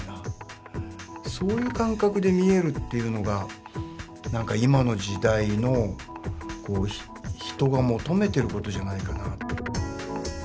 そういう感覚で見えるというのが何か今の時代の人が求めてることじゃないかな。